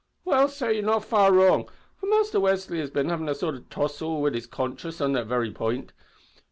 "Well, sor, you're not far wrong, for Muster Westly had bin havin' a sort o' tussle wid his conscience on that very pint.